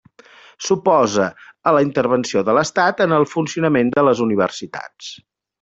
S'oposa a la intervenció de l'Estat en el funcionament de les universitats.